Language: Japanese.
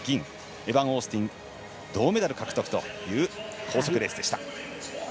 エバン・オースティン銅メダル獲得というレースでした。